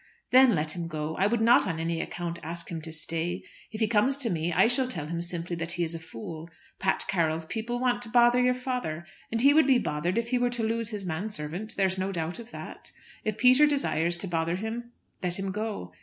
"Then let him go. I would not on any account ask him to stay. If he comes to me I shall tell him simply that he is a fool. Pat Carroll's people want to bother your father, and he would be bothered if he were to lose his man servant. There is no doubt of that. If Peter desires to bother him let him go.